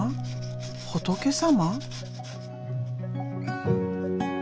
仏様？